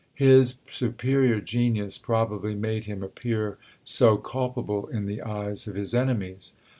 His superior genius probably made him appear so culpable in the eyes of his enemies.